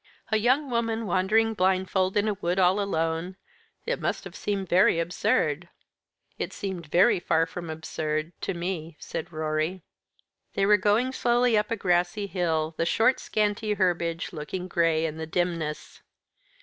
"A young woman wandering blindfold in a wood all alone it must have seemed very absurd." "It seemed very far from absurd to me," said Rorie. They were going slowly up the grassy hill, the short scanty herbage looking gray in the dimness.